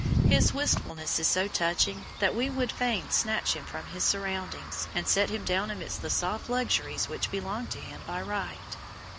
His wistfulness is so touching that we would fain snatch him from his surroundings, and set him down amidst the soft luxuries which belong to him by right.